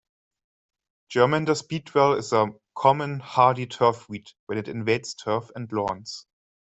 Germander Speedwell is a common, hardy turf weed when it invades turf and lawns.